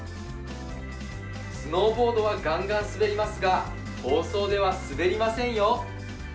スノーボードはがんがん滑りますが放送では滑りませんよ。